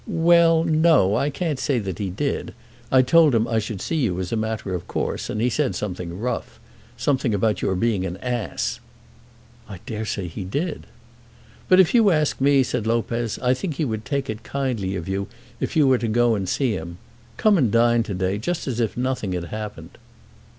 "Well; no; I can't say that he did. I told him I should see you as a matter of course, and he said something rough, about your being an ass." "I dare say he did." "But if you ask me," said Lopez, "I think he would take it kindly of you if you were to go and see him. Come and dine to day, just as if nothing had happened."